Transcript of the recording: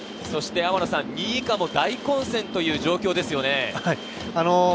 ２位以下も大混戦という状況ですね。